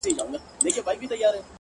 • پر تندي يې شنه خالونه زما بدن خوري؛